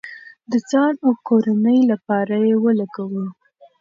د ځان او کورنۍ لپاره یې ولګوئ.